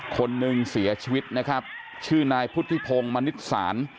คนหนึ่งเสียชีวิตนะครับชื่อนายพุทธิพงศ์มณิษฐศาล